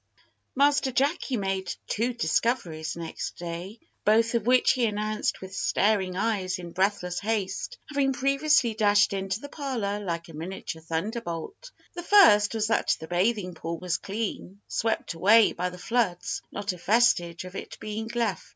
Master Jacky made two discoveries next day, both of which he announced with staring eyes and in breathless haste, having previously dashed into the parlour like a miniature thunderbolt. The first was that the bathing pool was clean swept away by the floods, not a vestige of it being left.